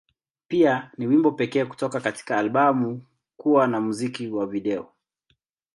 Pia, ni wimbo pekee kutoka katika albamu kuwa na muziki wa video.